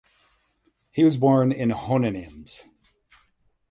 He was born in Hohenems.